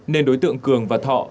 nên đối tượng cường và thọ